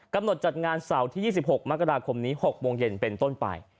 จัดงานเสาร์ที่๒๖มกราคมนี้๖โมงเย็นเป็นต้นไป